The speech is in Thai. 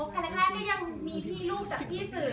คบกันแรกก็ยังมีทีรูปจากพี่ศู